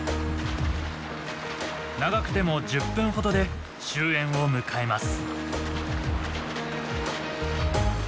長くても１０分ほどで終えんを迎えます。